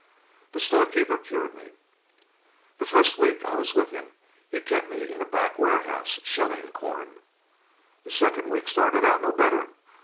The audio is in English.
The storekeeper cured me. The first week I was with him he kept me in a back warehouse shelling corn. The second week started out no better.